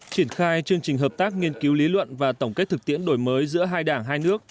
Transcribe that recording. triển khai chương trình hợp tác nghiên cứu lý luận và tổng kết thực tiễn đổi mới giữa hai đảng hai nước